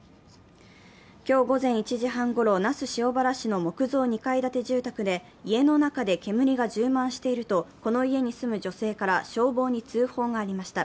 今日午前１時半ごろ、那須塩原市の木造２階建て住宅で、家の中で煙が充満していると、この家に住む女性から消防に通報がありました。